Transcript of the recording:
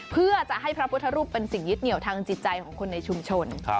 เพื่อจะให้พระพุทธรูปเป็นสิ่งยึดเหนียวทางจิตใจของคนในชุมชน